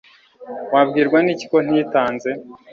Wabwirwa n'iki ko ntitanze